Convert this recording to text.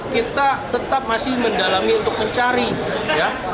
kita tetap masih mendalami untuk mencari ya